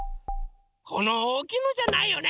このおおきいのじゃないよね。